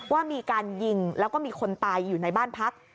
ว่ามีการยิงแล้วก็มีคนตายอยู่ในบ้านพัก